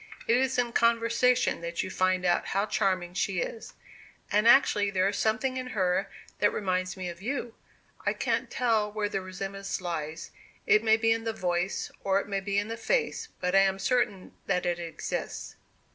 It is in conversation that you find out how charming she is. And actually there is something in her that reminds me of you! I can't tell where the resemblance lies it may be in the voice, or it may be in the face, but I am certain that it exists."